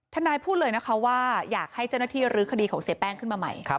ทนายพูดเลยนะคะว่าอยากให้เจ้าหน้าที่ลื้อคดีของเสียแป้งขึ้นมาใหม่